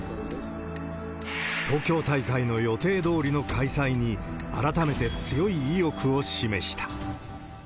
東京大会の予定どおりの開催に、改めて強い意欲を示した。